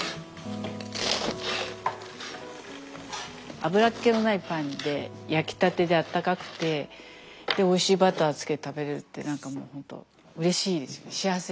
油っ気のないパンで焼きたてであったかくてでおいしいバターつけて食べれるってなんかもうほんとうれしいですよね。